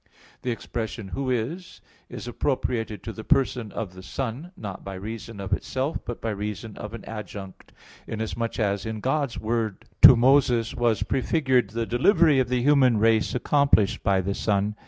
The expression "Who is" is appropriated to the person of the Son, not by reason of itself, but by reason of an adjunct, inasmuch as, in God's word to Moses, was prefigured the delivery of the human race accomplished by the Son.